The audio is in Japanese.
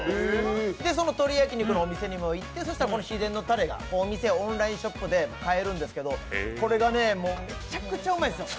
その鶏焼肉のお店に行って、秘伝のたれがお店のオンラインショップで買えるんですけどこれがね、むちゃくちゃうまいんですよ。